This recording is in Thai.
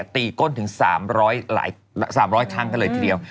ตีก้นถึง๓๐๐ทั้งเลยทีเดียว